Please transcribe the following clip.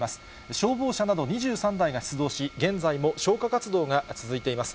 消防車など２３台が出動し、現在も消火活動が続いています。